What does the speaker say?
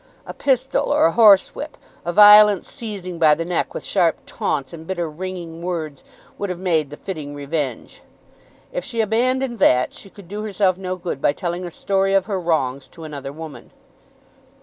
A pistol or a horsewhip, a violent seizing by the neck, with sharp taunts and bitter ringing words, would have made the fitting revenge. If she abandoned that she could do herself no good by telling a story of her wrongs to another woman.